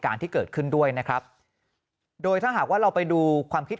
การที่เกิดขึ้นด้วยนะครับโดยถ้าหากว่าเราไปดูความคิด